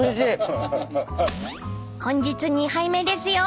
［本日２杯目ですよ］